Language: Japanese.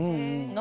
何？